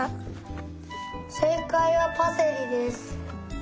せいかいはパセリです。